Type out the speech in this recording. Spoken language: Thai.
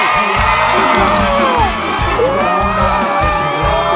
ผู้ช่วย